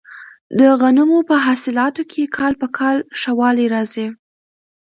د غنمو په حاصلاتو کې کال په کال ښه والی راځي.